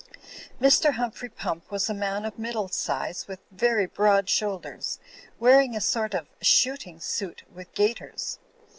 Mr. Humphrey Pump was a man of middle size, with very broad shoulders, wearing a sort of shoot ing suit with gaiters.